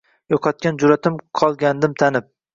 Yo‘qotgan jur’atim qolgandim tanib.